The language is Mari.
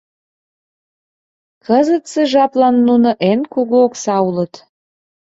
Кызытсе жаплан нуно эн кугу окса улыт.